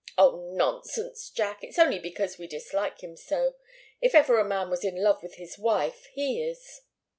"Oh, nonsense, Jack! It's only because we dislike him so. If ever a man was in love with his wife, he is."